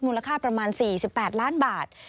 มูลค่าประมาณ๔๘ล้านบาท